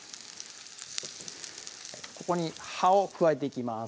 ここに葉を加えていきます